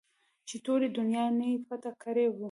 چې ټولې دونيا نه يې پټه کړې وه.